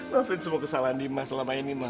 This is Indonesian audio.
maafin semua kesalahan dimas selama ini mah